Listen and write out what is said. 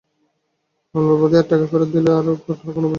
মামলার বাদী তাঁর টাকা ফেরত পেলে তাঁরও কোনো অভিযোগ থাকত না।